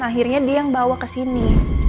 akhirnya dia yang bawa kesini